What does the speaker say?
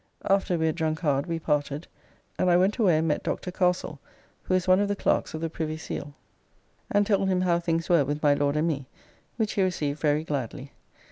After we had drunk hard we parted, and I went away and met Dr. Castle, who is one of the Clerks of the Privy Seal, and told him how things were with my Lord and me, which he received very gladly.